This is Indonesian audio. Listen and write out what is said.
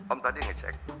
om tadi ngecek